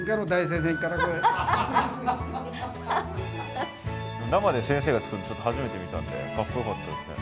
生で先生が作るのちょっと初めて見たんでかっこよかったですね。